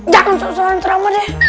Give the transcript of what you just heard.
jangan so so soran ceramah deh